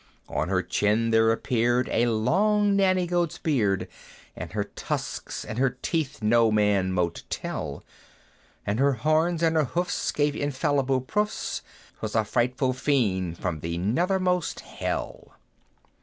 On her chin there appeared a long Nanny goat's beard, And her tusks and her teeth no man mote tell; And her horns and her hoofs gave infallible proofs 'Twas a frightful Fiend from the nethermost hell!